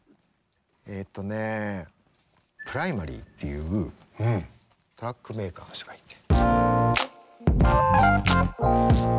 えっとねＰｒｉｍａｒｙっていうトラックメーカーの人がいて。